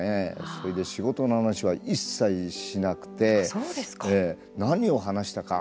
それで仕事の話は一切しなくて何を話したか